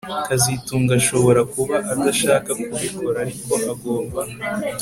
kazitunga ashobora kuba adashaka kubikora ariko agomba